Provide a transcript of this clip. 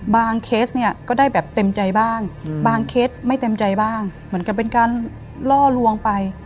เคสเนี่ยก็ได้แบบเต็มใจบ้างบางเคสไม่เต็มใจบ้างเหมือนกับเป็นการล่อลวงไป